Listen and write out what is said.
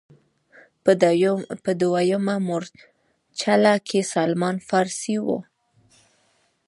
په دویمه مورچله کې سلمان فارسي و.